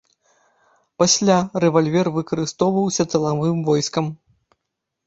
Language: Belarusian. Пасля, рэвальвер выкарыстоўваўся тылавым войскам.